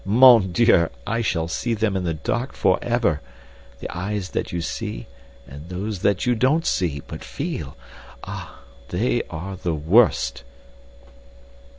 "Mon Dieu! I shall see them in the dark forever—the eyes that you see, and those that you don't see, but feel—ah, they are the worst."